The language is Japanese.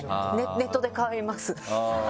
ネットで買います。